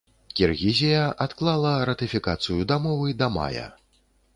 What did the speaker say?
Кіргізія адклала ратыфікацыю дамовы да мая.